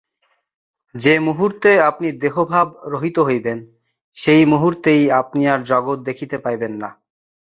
যে মুহূর্তে আপনি দেহভাব-রহিত হইবেন, সেই মুহূর্তেই আপনি আর জগৎ দেখিতে পাইবেন না।